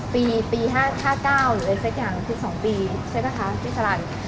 ปี๕๙หรืออะไรสักอย่างคือ๒ปีใช่ป่ะคะพี่สลัน